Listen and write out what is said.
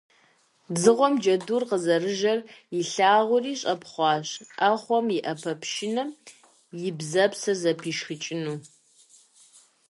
Дзыгъуэм джэдур къызэрыжэр илъагъури, щӀэпхъуащ, Ӏэхъуэм и Ӏэпэпшынэм и бзэпсыр зэпишхыкӀыну.